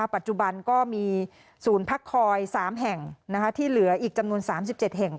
ปัจจุบันก็มีศูนย์พักคอย๓แห่งที่เหลืออีกจำนวน๓๗แห่ง